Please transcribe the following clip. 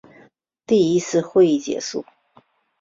第一次会议结束。